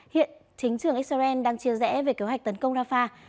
hiện chính trường israel đang chia rẽ về kế hoạch tấn công rafah